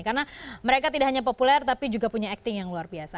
karena mereka tidak hanya populer tapi juga punya acting yang luar biasa